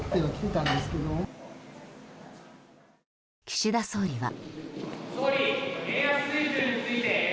岸田総理は。